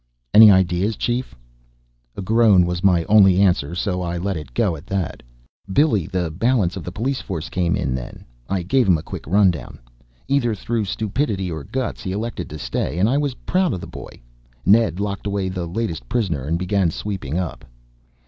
"Any ideas, Chief?" A groan was my only answer so I let it go at that. Billy, the balance of the police force, came in then. I gave him a quick rundown. Either through stupidity or guts he elected to stay, and I was proud of the boy. Ned locked away the latest prisoner and began sweeping up.